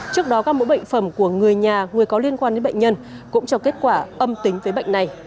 trước đó các mẫu bệnh phẩm của người nhà người có liên quan đến bệnh nhân cũng cho kết quả âm tính với bệnh này